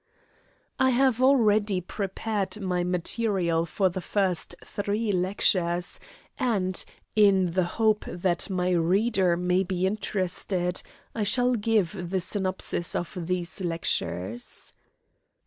I have already prepared my material for the first three lectures and, in the hope that my reader may be interested, I shall give the synopsis of these lectures.